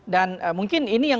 dan mungkin ini yang terakhir